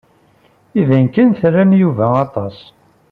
Iban kan tram Yuba aṭas.